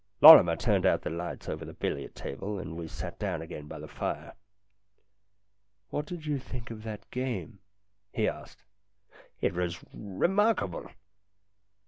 Lorrimer turned out the lights over the billiard table, and we sat down again by the fire. "What did you think of that game?" he asked. " It Was remarkable."